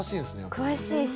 詳しいし。